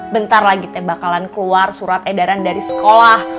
bentar lagi teh bakalan keluar surat edaran dari sekolah